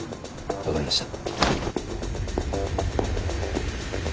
分かりました。